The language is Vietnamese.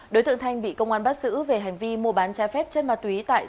đối tượng thanh bị công an bắt xử về hành vi mua bán trái phép chất ma túy tại